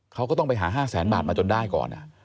เขาก็ต้องไปหา๕แสนบาทมาจนได้ก่อน